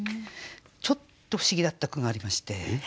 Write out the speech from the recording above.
ちょっと不思議だった句がありまして。